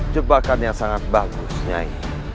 jebakan yang sangat bagus nyai